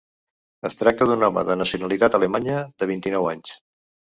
Es tracta d’un home de nacionalitat alemanya de vint-i-nou anys.